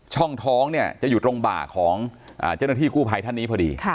ช่องท้องเนี่ยจะอยู่ตรงบ่าของเจ้าหน้าที่กู้ภัยท่านนี้พอดี